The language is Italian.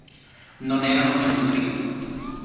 Non erano nello script.